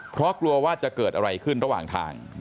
เพราะกลัวว่าจะเกิดอะไรขึ้นระหว่างทาง